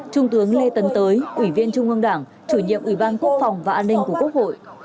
trung tướng lê tấn tới ủy viên trung ương đảng chủ nhiệm ủy ban quốc phòng và an ninh của quốc hội